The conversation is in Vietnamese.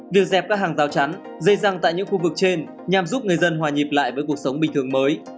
việc dẹp các hàng rào chắn dây răng tại những khu vực trên nhằm giúp người dân hòa nhịp lại với cuộc sống bình thường mới